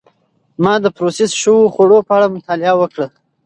ما د پروسس شوو خوړو په اړه مطالعه وکړه.